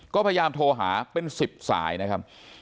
ก็พยายามโทรหาเป็น๑๐สายนะครับ